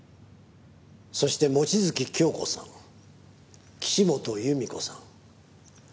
「そして望月京子さん岸本由美子さん」